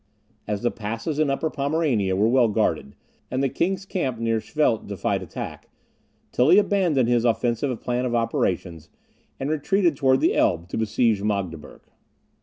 As the passes in Upper Pomerania were well guarded, and the king's camp near Schwedt defied attack, Tilly abandoned his offensive plan of operations, and retreated towards the Elbe to besiege Magdeburg.